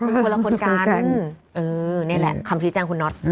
มันคนละคนกันเออนี่แหละคำชี้แจ้งคุณน็อต